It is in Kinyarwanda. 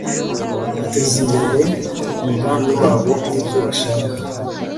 gtutezimbere umugambi wabo nibyo bashaka